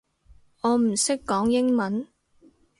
我唔識講英文